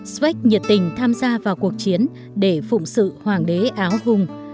svek nhiệt tình tham gia vào cuộc chiến để phụng sự hoàng đế áo hung